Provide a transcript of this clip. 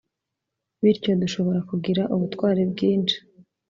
Bityo dushobora kugira ubutwari bwinshi